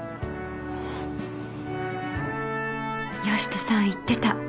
善人さん言ってた。